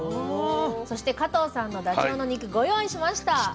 そして加藤さんのダチョウの肉ご用意しました。